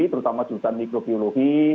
terutama jurusan mikrobiologi